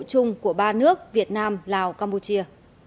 chung của ba nước việt nam lào campuchia